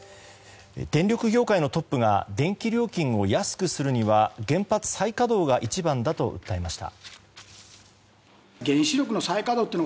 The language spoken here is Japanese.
電力業界のトップが電気料金を安くするには原発再稼働が一番だと訴えました。